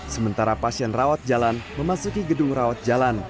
sementara pasien rawat jalan memasuki gedung rawat jalan